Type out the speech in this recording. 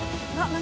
何？